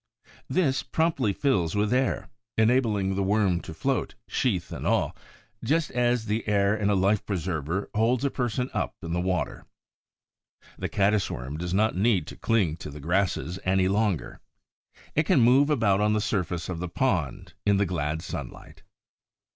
This promptly fills with air, enabling the Worm to float, sheath and all, just as the air in a life preserver holds a person up in the water. The Caddis worm does not need to cling to the grasses any longer. It can move about on the surface of the pond, in the glad sunlight.